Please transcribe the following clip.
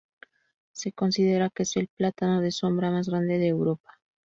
Se considera que es el plátano de sombra más grande de Europa.